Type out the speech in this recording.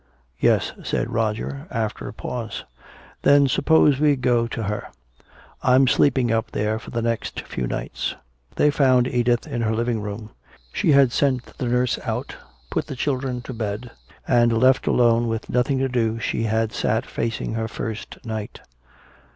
"Yes," said Roger, after a pause. "Then suppose we go to her. I'm sleeping up there for the next few nights." They found Edith in her living room. She had sent the nurse out, put the children to bed, and left alone with nothing to do she had sat facing her first night.